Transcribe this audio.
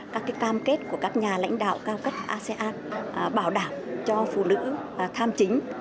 các cam kết của các nhà lãnh đạo cao cấp asean bảo đảm cho phụ nữ tham chính